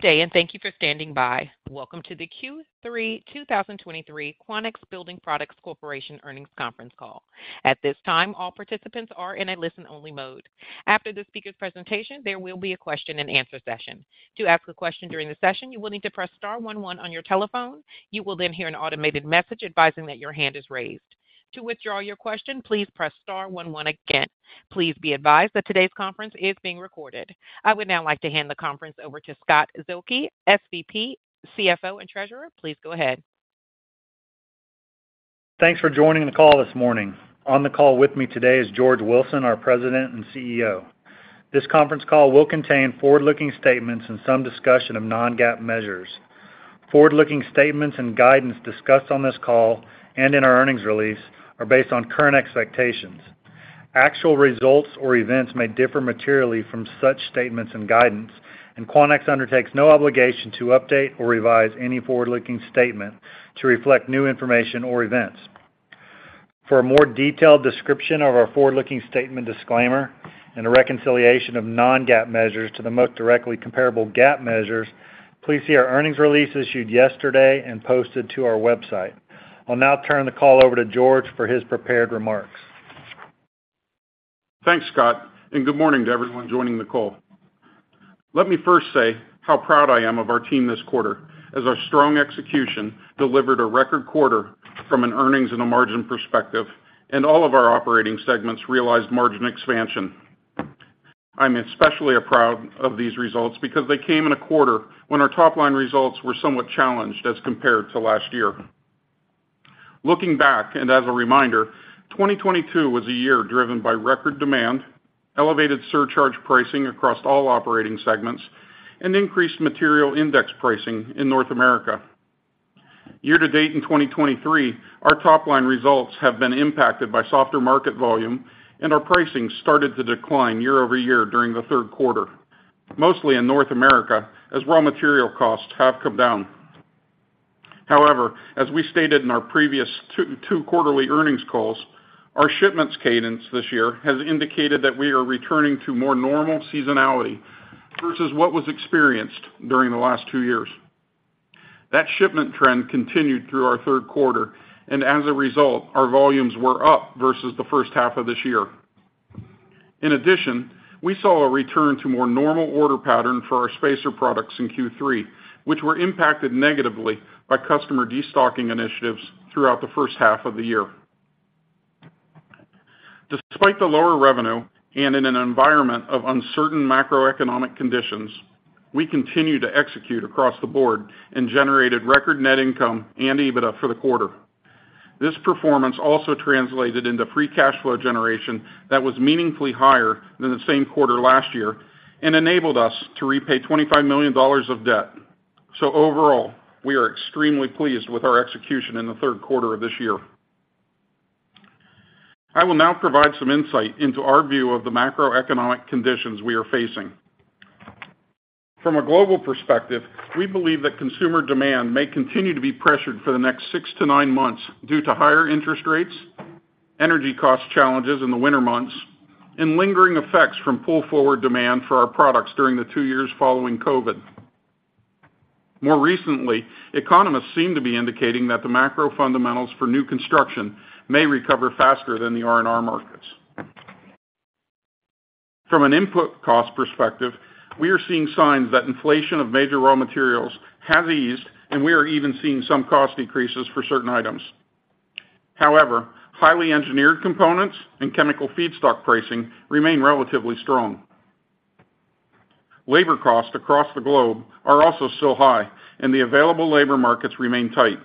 Good day, and thank you for standing by. Welcome to the Q3 2023 Quanex Building Products Corporation Earnings Conference Call. At this time, all participants are in a listen-only mode. After the speaker's presentation, there will be a question-and-answer session. To ask a question during the session, you will need to press star one one on your telephone. You will then hear an automated message advising that your hand is raised. To withdraw your question, please press star one one again. Please be advised that today's conference is being recorded. I would now like to hand the conference over to Scott Zuehlke, SVP, CFO, and Treasurer. Please go ahead. Thanks for joining the call this morning. On the call with me today is George Wilson, our President and CEO. This conference call will contain forward-looking statements and some discussion of non-GAAP measures. Forward-looking statements and guidance discussed on this call and in our earnings release are based on current expectations. Actual results or events may differ materially from such statements and guidance, and Quanex undertakes no obligation to update or revise any forward-looking statement to reflect new information or events. For a more detailed description of our forward-looking statement disclaimer and a reconciliation of non-GAAP measures to the most directly comparable GAAP measures, please see our earnings release issued yesterday and posted to our website. I'll now turn the call over to George for his prepared remarks. Thanks, Scott, and good morning to everyone joining the call. Let me first say how proud I am of our team this quarter, as our strong execution delivered a record quarter from an earnings and a margin perspective, and all of our operating segments realized margin expansion. I'm especially proud of these results because they came in a quarter when our top-line results were somewhat challenged as compared to last year. Looking back, and as a reminder, 2022 was a year driven by record demand, elevated surcharge pricing across all operating segments, and increased material index pricing in North America. Year to date in 2023, our top-line results have been impacted by softer market volume, and our pricing started to decline year-over-year during the third quarter, mostly in North America, as raw material costs have come down. However, as we stated in our previous two quarterly earnings calls, our shipments cadence this year has indicated that we are returning to more normal seasonality versus what was experienced during the last two years. That shipment trend continued through our third quarter, and as a result, our volumes were up versus the first half of this year. In addition, we saw a return to more normal order pattern for our Spacer Products in Q3, which were impacted negatively by customer destocking initiatives throughout the first half of the year. Despite the lower revenue and in an environment of uncertain macroeconomic conditions, we continue to execute across the board and generated record net income and EBITDA for the quarter. This performance also translated into free cash flow generation that was meaningfully higher than the same quarter last year and enabled us to repay $25 million of debt. So overall, we are extremely pleased with our execution in the third quarter of this year. I will now provide some insight into our view of the macroeconomic conditions we are facing. From a global perspective, we believe that consumer demand may continue to be pressured for the next six to nine months due to higher interest rates, energy cost challenges in the winter months, and lingering effects from pull-forward demand for our products during the two years following COVID. More recently, economists seem to be indicating that the macro fundamentals for new construction may recover faster than the R&R markets. From an input cost perspective, we are seeing signs that inflation of major raw materials has eased, and we are even seeing some cost decreases for certain items. However, highly engineered components and chemical feedstock pricing remain relatively strong. Labor costs across the globe are also still high, and the available labor markets remain tight.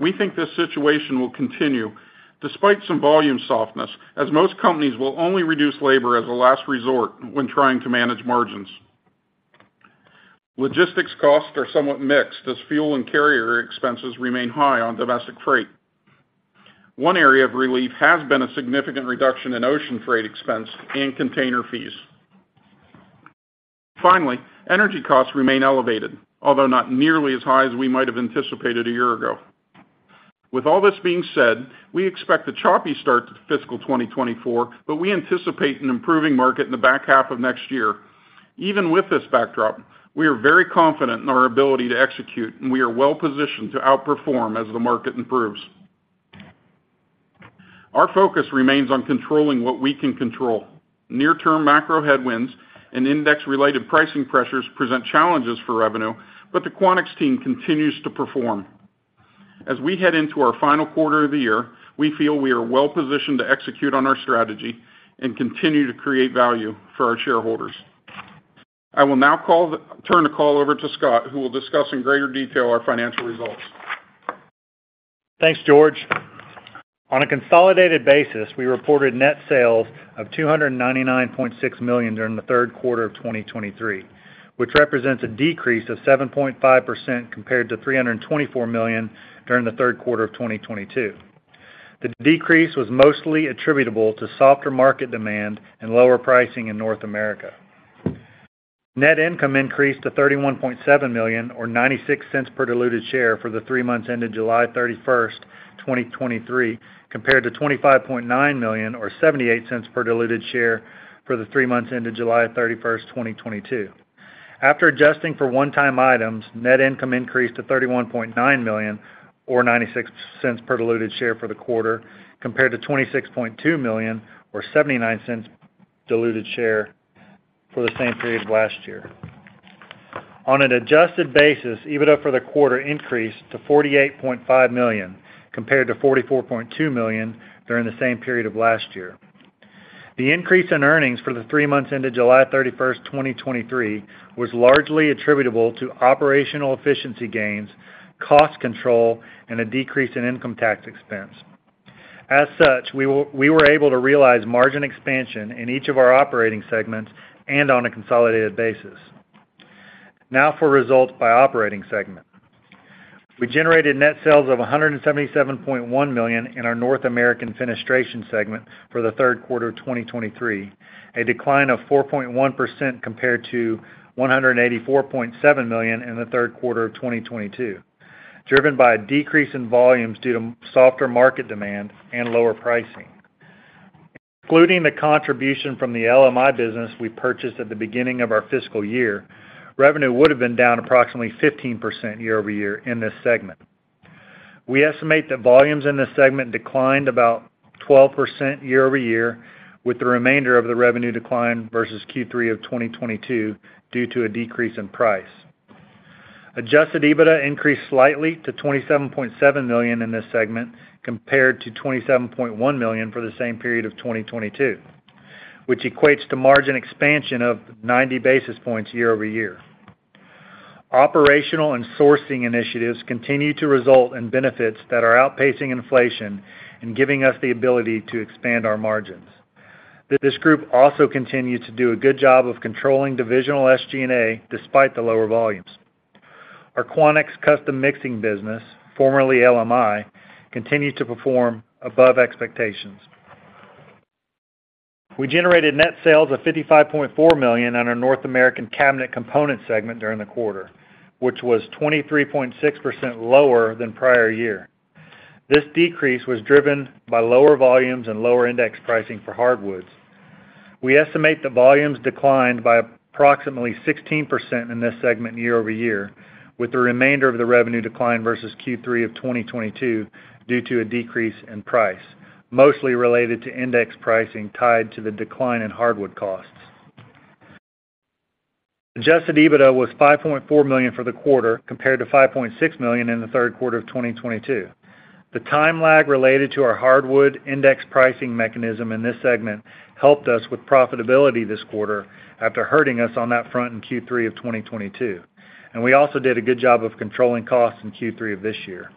We think this situation will continue despite some volume softness, as most companies will only reduce labor as a last resort when trying to manage margins. Logistics costs are somewhat mixed as fuel and carrier expenses remain high on domestic freight. One area of relief has been a significant reduction in ocean freight expense and container fees. Finally, energy costs remain elevated, although not nearly as high as we might have anticipated a year ago. With all this being said, we expect a choppy start to fiscal 2024, but we anticipate an improving market in the back half of next year. Even with this backdrop, we are very confident in our ability to execute, and we are well-positioned to outperform as the market improves. Our focus remains on controlling what we can control. Near-term macro headwinds and index-related pricing pressures present challenges for revenue, but the Quanex team continues to perform. As we head into our final quarter of the year, we feel we are well-positioned to execute on our strategy and continue to create value for our shareholders. I will now turn the call over to Scott, who will discuss in greater detail our financial results. Thanks, George. On a consolidated basis, we reported net sales of $299.6 million during the third quarter of 2023, which represents a decrease of 7.5% compared to $324 million during the third quarter of 2022. The decrease was mostly attributable to softer market demand and lower pricing in North America. Net income increased to $31.7 million, or $0.96 per diluted share for the three months ended July 31st, 2023, compared to $25.9 million or $0.78 per diluted share for the three months ended July 31st, 2022.... After adjusting for one-time items, net income increased to $31.9 million, or $0.96 per diluted share for the quarter, compared to $26.2 million, or $0.79 diluted share for the same period last year. On an adjusted basis, EBITDA for the quarter increased to $48.5 million, compared to $44.2 million during the same period of last year. The increase in earnings for the three months ended July 31st, 2023, was largely attributable to operational efficiency gains, cost control, and a decrease in income tax expense. As such, we were able to realize margin expansion in each of our operating segments and on a consolidated basis. Now for results by operating segment. We generated net sales of $177.1 million in our North American Fenestration segment for the third quarter of 2023, a decline of 4.1% compared to $184.7 million in the third quarter of 2022, driven by a decrease in volumes due to softer market demand and lower pricing. Excluding the contribution from the LMI business we purchased at the beginning of our fiscal year, revenue would have been down approximately 15% year-over-year in this segment. We estimate that volumes in this segment declined about 12% year-over-year, with the remainder of the revenue decline versus Q3 of 2022 due to a decrease in price. Adjusted EBITDA increased slightly to $27.7 million in this segment, compared to $27.1 million for the same period of 2022, which equates to margin expansion of 90 basis points year-over-year. Operational and sourcing initiatives continue to result in benefits that are outpacing inflation and giving us the ability to expand our margins. This group also continued to do a good job of controlling divisional SG&A despite the lower volumes. Our Quanex Custom Mixing business, formerly LMI, continued to perform above expectations. We generated net sales of $55.4 million on our North American Cabinet Components segment during the quarter, which was 23.6% lower than prior year. This decrease was driven by lower volumes and lower index pricing for hardwoods. We estimate the volumes declined by approximately 16% in this segment year-over-year, with the remainder of the revenue decline versus Q3 of 2022 due to a decrease in price, mostly related to index pricing tied to the decline in hardwood costs. Adjusted EBITDA was $5.4 million for the quarter, compared to $5.6 million in the third quarter of 2022. The time lag related to our Hardwood Index Pricing mechanism in this segment helped us with profitability this quarter after hurting us on that front in Q3 of 2022, and we also did a good job of controlling costs in Q3 of this year.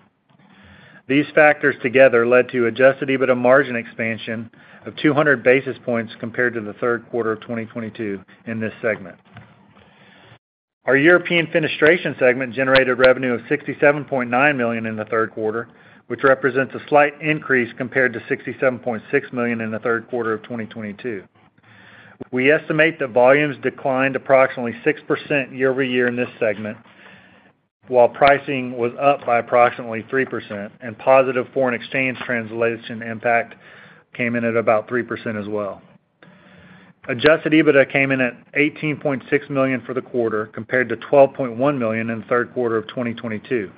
These factors together led to Adjusted EBITDA margin expansion of 200 basis points compared to the third quarter of 2022 in this segment. Our European Fenestration segment generated revenue of $67.9 million in the third quarter, which represents a slight increase compared to $67.6 million in the third quarter of 2022. We estimate that volumes declined approximately 6% year-over-year in this segment, while pricing was up by approximately 3%, and positive foreign exchange translation impact came in at about 3% as well. Adjusted EBITDA came in at $18.6 million for the quarter, compared to $12.1 million in the third quarter of 2022.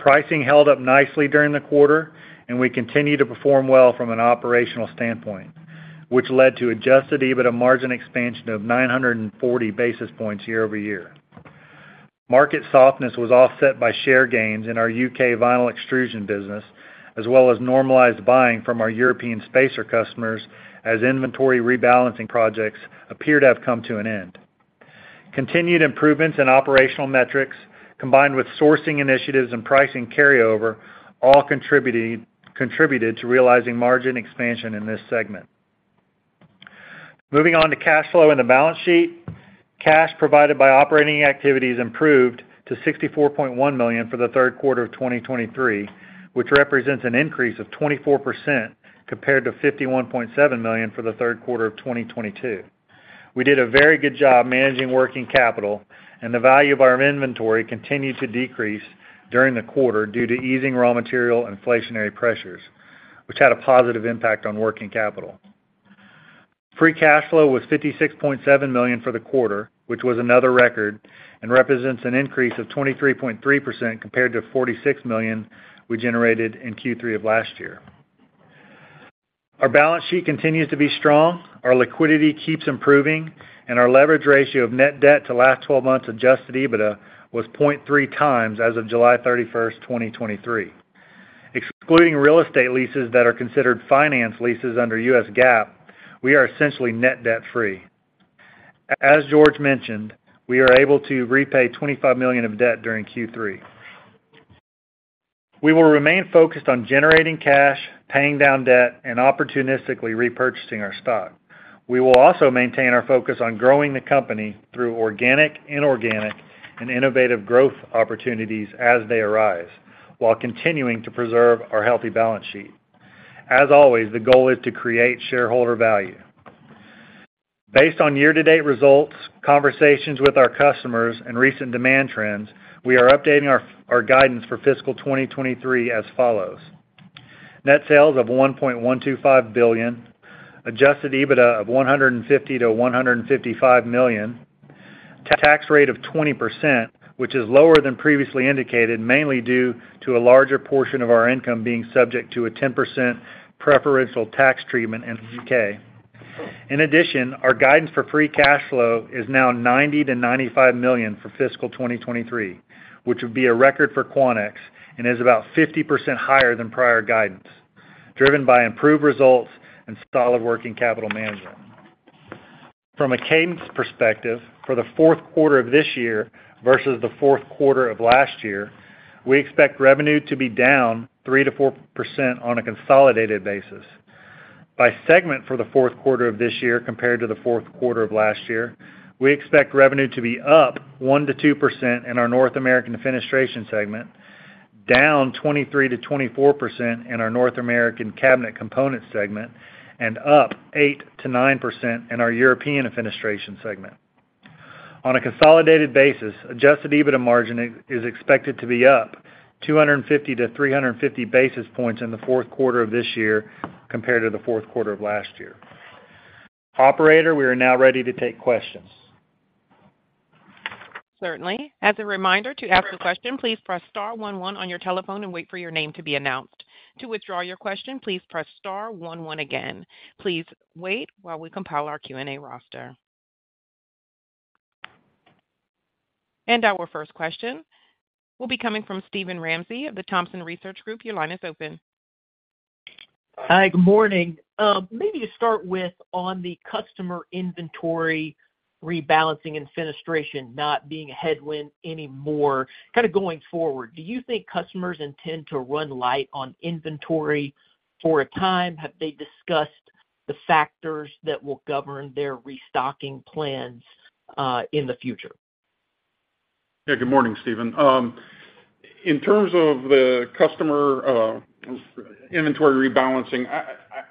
Pricing held up nicely during the quarter, and we continued to perform well from an operational standpoint, which led to adjusted EBITDA margin expansion of 940 basis points year-over-year. Market softness was offset by share gains in our UK vinyl extrusion business, as well as normalized buying from our European spacer customers, as inventory rebalancing projects appear to have come to an end. Continued improvements in operational metrics, combined with sourcing initiatives and pricing carryover, all contributed to realizing margin expansion in this segment. Moving on to cash flow and the balance sheet. Cash provided by operating activities improved to $64.1 million for the third quarter of 2023, which represents an increase of 24% compared to $51.7 million for the third quarter of 2022. We did a very good job managing working capital, and the value of our inventory continued to decrease during the quarter due to easing raw material inflationary pressures, which had a positive impact on working capital. Free Cash Flow was $56.7 million for the quarter, which was another record and represents an increase of 23.3% compared to $46 million we generated in Q3 of last year. Our balance sheet continues to be strong, our liquidity keeps improving, and our leverage ratio of net debt to last 12 months Adjusted EBITDA was 0.3x as of July 31st, 2023. Excluding real estate leases that are considered finance leases under U.S. GAAP, we are essentially net debt-free. As George mentioned, we are able to repay $25 million of debt during Q3. We will remain focused on generating cash, paying down debt, and opportunistically repurchasing our stock. We will also maintain our focus on growing the company through organic, inorganic, and innovative growth opportunities as they arise, while continuing to preserve our healthy balance sheet. As always, the goal is to create shareholder value. Based on year-to-date results, conversations with our customers, and recent demand trends, we are updating our guidance for fiscal 2023 as follows:... Net sales of $1.125 billion, Adjusted EBITDA of $150 million-$155 million, tax rate of 20%, which is lower than previously indicated, mainly due to a larger portion of our income being subject to a 10% preferential tax treatment in the U.K. In addition, our guidance for free cash flow is now $90 million-$95 million for fiscal 2023, which would be a record for Quanex and is about 50% higher than prior guidance, driven by improved results and solid working capital management. From a cadence perspective, for the fourth quarter of this year versus the fourth quarter of last year, we expect revenue to be down 3%-4% on a consolidated basis. By segment for the fourth quarter of this year compared to the fourth quarter of last year, we expect revenue to be up 1%-2% in our North American Fenestration segment, down 23%-24% in our North American Cabinet Components segment, and up 8%-9% in our European Fenestration segment. On a consolidated basis, adjusted EBITDA margin is expected to be up 250-350 basis points in the fourth quarter of this year compared to the fourth quarter of last year. Operator, we are now ready to take questions. Certainly. As a reminder, to ask a question, please press star one, one on your telephone and wait for your name to be announced. To withdraw your question, please press star one, one again. Please wait while we compile our Q&A roster. And our first question will be coming from Steven Ramsey of the Thompson Research Group. Your line is open. Hi, good morning. Maybe to start with on the customer inventory rebalancing and fenestration not being a headwind anymore, kind of going forward, do you think customers intend to run light on inventory for a time? Have they discussed the factors that will govern their restocking plans, in the future? Yeah, good morning, Steven. In terms of the customer inventory rebalancing,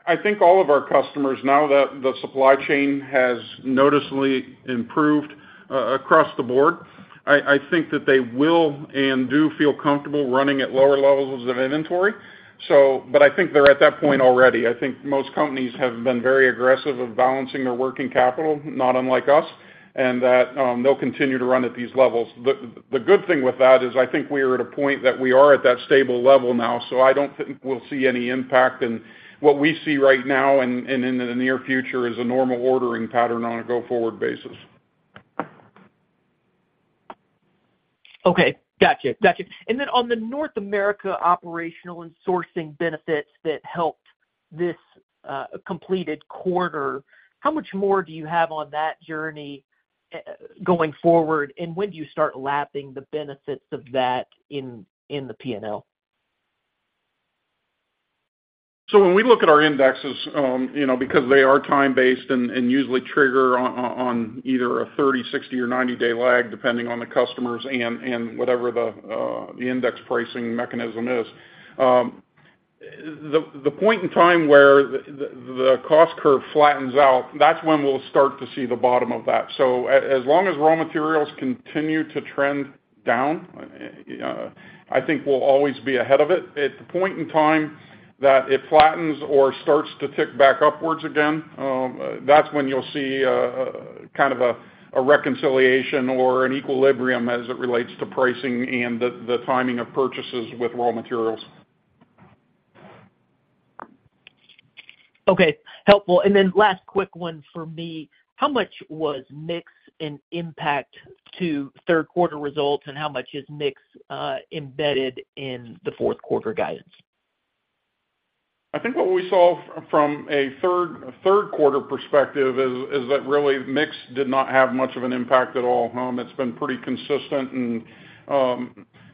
I think all of our customers, now that the supply chain has noticeably improved across the board, I think that they will and do feel comfortable running at lower levels of inventory. But I think they're at that point already. I think most companies have been very aggressive of balancing their working capital, not unlike us, and that they'll continue to run at these levels. The good thing with that is I think we are at a point that we are at that stable level now, so I don't think we'll see any impact. And what we see right now and in the near future is a normal ordering pattern on a go-forward basis. Okay. Gotcha. Gotcha. And then on the North America operational and sourcing benefits that helped this completed quarter, how much more do you have on that journey going forward? And when do you start lapping the benefits of that in the P&L? So when we look at our indexes, you know, because they are time-based and usually trigger on either a 30, 60, or 90-day lag, depending on the customers and whatever the Index Pricing mechanism is. The point in time where the cost curve flattens out, that's when we'll start to see the bottom of that. So as long as raw materials continue to trend down, I think we'll always be ahead of it. At the point in time that it flattens or starts to tick back upwards again, that's when you'll see kind of a reconciliation or an equilibrium as it relates to pricing and the timing of purchases with raw materials. Okay. Helpful. And then last quick one for me: How much was mix an impact to third quarter results, and how much is mix embedded in the fourth quarter guidance? I think what we saw from a third quarter perspective is that really, mix did not have much of an impact at all. It's been pretty consistent and,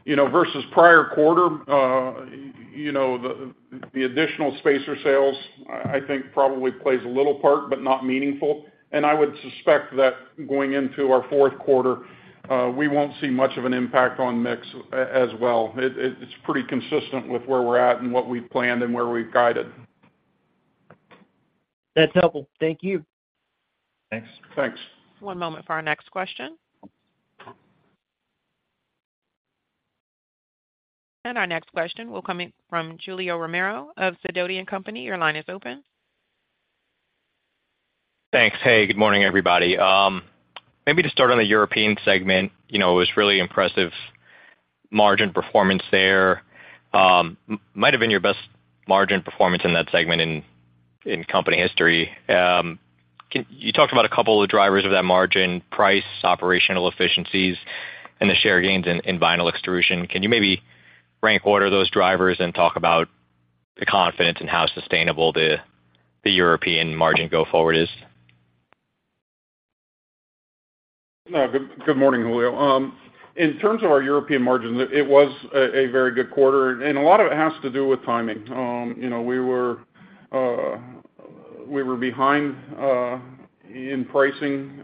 you know, versus prior quarter, you know, the additional spacer sales, I think probably plays a little part, but not meaningful. And I would suspect that going into our fourth quarter, we won't see much of an impact on mix as well. It's pretty consistent with where we're at and what we've planned and where we've guided. That's helpful. Thank you. Thanks. Thanks. One moment for our next question. Our next question will come in from Julio Romero of Sidoti & Company. Your line is open. Thanks. Hey, good morning, everybody. Maybe to start on the European segment, you know, it was really impressive margin performance there. Might have been your best margin performance in that segment in company history. You talked about a couple of drivers of that margin, price, operational efficiencies, and the share gains in vinyl extrusion. Can you maybe rank order those drivers and talk about the confidence in how sustainable the European margin go forward is? Good morning, Julio. In terms of our European margins, it was a very good quarter, and a lot of it has to do with timing. You know, we were behind in pricing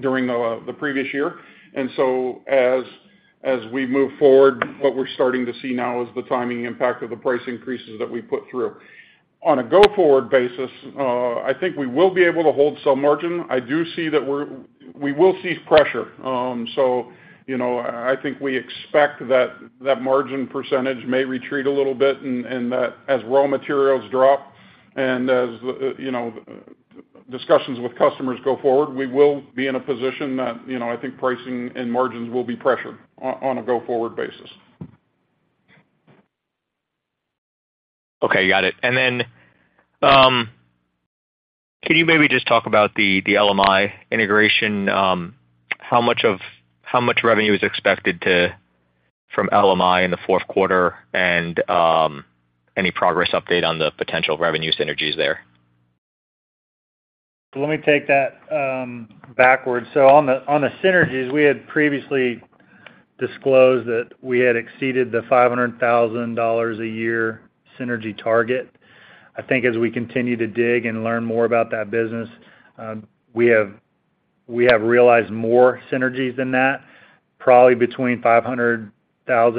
during the previous year. And so as we move forward, what we're starting to see now is the timing impact of the price increases that we put through. On a go-forward basis, I think we will be able to hold some margin. I do see that we're we will see pressure. So, you know, I think we expect that margin percentage may retreat a little bit, and that as raw materials drop and as, you know, discussions with customers go forward, we will be in a position that, you know, I think pricing and margins will be pressured on a go-forward basis. Okay, got it. And then, can you maybe just talk about the LMI integration? How much revenue is expected from LMI in the fourth quarter? And, any progress update on the potential revenue synergies there? Let me take that backwards. So on the, on the synergies, we had previously disclosed that we had exceeded the $500,000 a year synergy target. I think as we continue to dig and learn more about that business, we have, we have realized more synergies than that, probably between $500,000 and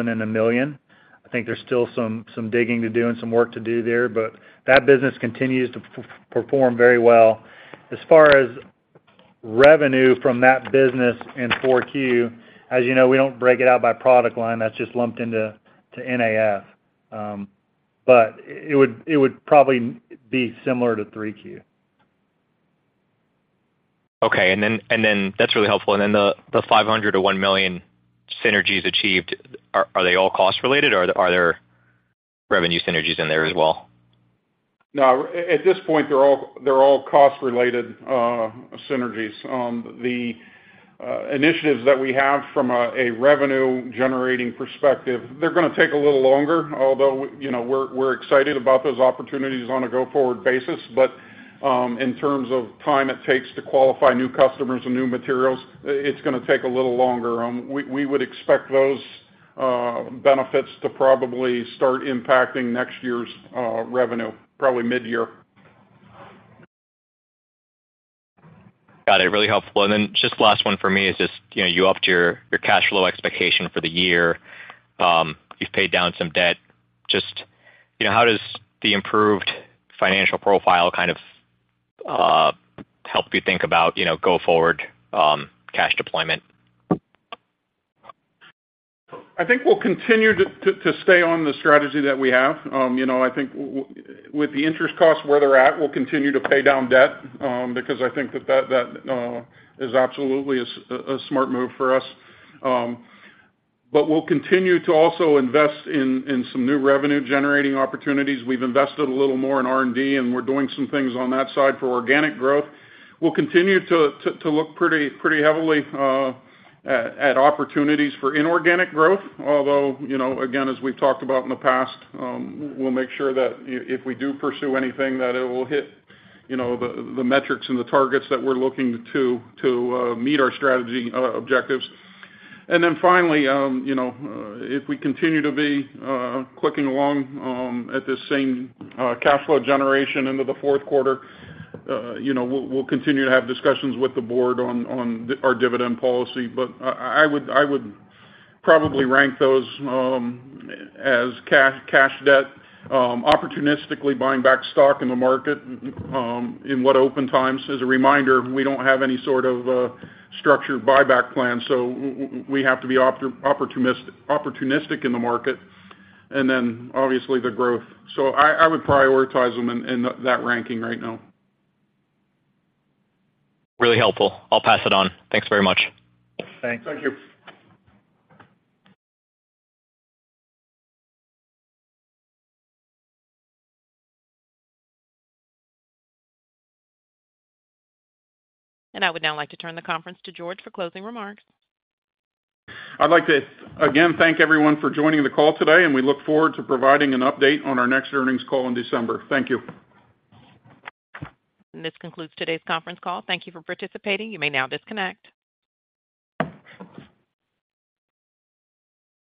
$1 million. I think there's still some, some digging to do and some work to do there, but that business continues to perform very well. As far as revenue from that business in 4Q, as you know, we don't break it out by product line. That's just lumped into, to NAF. But it would, it would probably be similar to 3Q. Okay. And then that's really helpful. And then the $500,000-$1 million synergies achieved, are they all cost related, or are there revenue synergies in there as well? No, at this point, they're all, they're all cost-related synergies. The initiatives that we have from a revenue-generating perspective, they're gonna take a little longer, although, you know, we're excited about those opportunities on a go-forward basis. But, in terms of time it takes to qualify new customers and new materials, it's gonna take a little longer. We would expect those benefits to probably start impacting next year's revenue, probably mid-year. Got it. Really helpful. And then just last one for me is just, you know, you upped your cash flow expectation for the year. You've paid down some debt. Just, you know, how does the improved financial profile kind of help you think about, you know, go forward cash deployment? I think we'll continue to stay on the strategy that we have. You know, I think with the interest costs where they're at, we'll continue to pay down debt, because I think that is absolutely a smart move for us. But we'll continue to also invest in some new revenue-generating opportunities. We've invested a little more in R&D, and we're doing some things on that side for organic growth. We'll continue to look pretty heavily at opportunities for inorganic growth. Although, you know, again, as we've talked about in the past, we'll make sure that if we do pursue anything, that it will hit, you know, the metrics and the targets that we're looking to meet our strategy objectives. And then finally, you know, if we continue to be clicking along at the same cash flow generation into the fourth quarter, you know, we'll continue to have discussions with the board on our dividend policy. But I would probably rank those as cash, cash debt, opportunistically buying back stock in the market in what open times. As a reminder, we don't have any sort of structured buyback plan, so we have to be opportunistic in the market, and then obviously the growth. So I would prioritize them in that ranking right now. Really helpful. I'll pass it on. Thanks very much. Thanks. Thank you. I would now like to turn the conference to George for closing remarks. I'd like to again, thank everyone for joining the call today, and we look forward to providing an update on our next earnings call in December. Thank you. This concludes today's conference call. Thank you for participating. You may now disconnect.